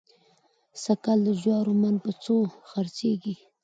سږکال د جوارو من په څو خرڅېږي؟